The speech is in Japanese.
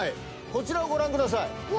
こちらをご覧ください。